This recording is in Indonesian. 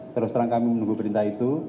terus terang kami menunggu perintah itu